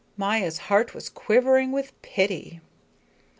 Maya's heart was quivering with pity.